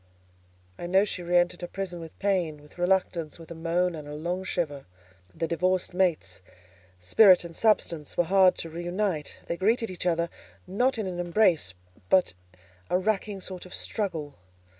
I know she re entered her prison with pain, with reluctance, with a moan and a long shiver. The divorced mates, Spirit and Substance, were hard to re unite: they greeted each other, not in an embrace, but a racking sort of struggle.